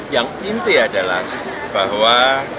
yang inti adalah bahwa